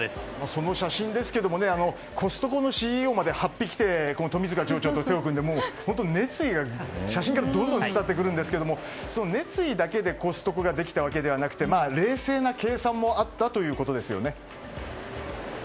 その写真ですがコストコのＣＥＯまで法被を着て冨塚町長と手を組んで写真からも熱意がどんどん伝わってくるんですがその熱意だけでコストコができたわけではなくて冷静な計算もあったということですよね。